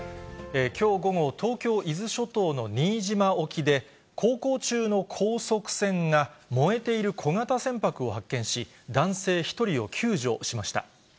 きょう午後、東京・伊豆諸島の新島沖で、航行中の高速船が燃えている小型船舶を発見し、男性１人を救助しました。